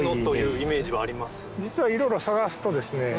実はいろいろ探すとですね